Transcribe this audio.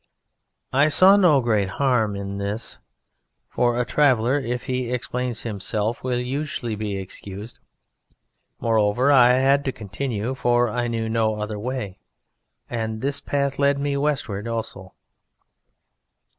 "I saw no great harm in this, for a traveller, if he explains himself, will usually be excused; moreover, I had to continue, for I knew no other way, and this path led me westward also.